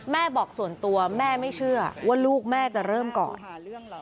บอกส่วนตัวแม่ไม่เชื่อว่าลูกแม่จะเริ่มก่อน